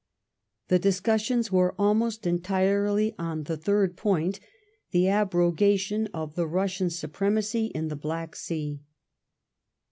The dis cussions were almost entirely on the third point, the abrogation of the Bussian supremacy in the Black Sea.